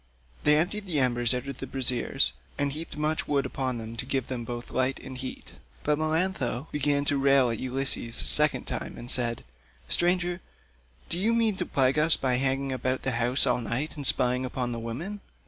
They emptied the embers out of the braziers, and heaped much wood upon them to give both light and heat; but Melantho began to rail at Ulysses a second time and said, "Stranger, do you mean to plague us by hanging about the house all night and spying upon the women?